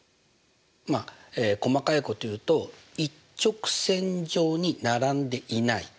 まあ細かいこと言うと一直線上に並んでいない。